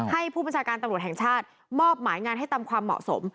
ผู้บัญชาการตำรวจแห่งชาติมอบหมายงานให้ตามความเหมาะสม